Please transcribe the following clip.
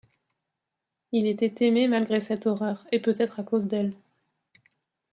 Il était aimé malgré cette horreur, et peut-être à cause d’elle.